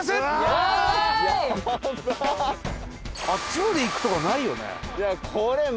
あっちまで行くとかないよね？